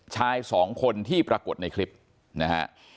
ชายสองคนที่ปรากฏในคลิปนะฮะ